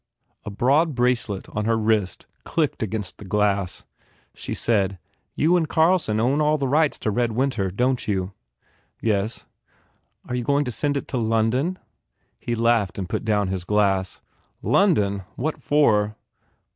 A broad bracelet on her wrist clicked against the glass. She said, "You and Carlson own all the rights to Red Winter, don t you?" "Yes." "Are you going to send it to London?" He laughed and put down his glass. "London ? What for?